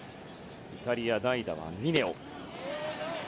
イタリア代打はミネオ。